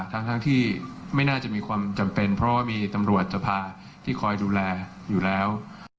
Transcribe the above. ทั้งที่ไม่น่าจะมีความจำเป็นเพราะว่ามีตำรวจสภาที่คอยดูแลอยู่แล้ว